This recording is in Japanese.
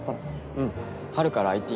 うん春からＩＴ系。